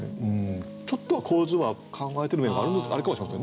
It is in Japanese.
ちょっとは構図は考えてる面があるかもしれませんね。